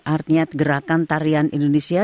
artnya gerakan tarian indonesia